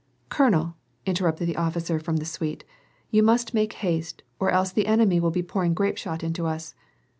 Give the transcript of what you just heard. " Colonel," interrupted the officer from the suite, " You must make haste, or else the enemy will be pouring grapeshot into us."